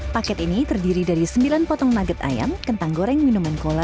paket ini terdiri dari sembilan potong nugget ayam kentang goreng minuman kola